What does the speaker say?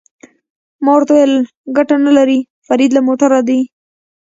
ما ورته وویل: ګټه نه لري، فرید له موټره دې.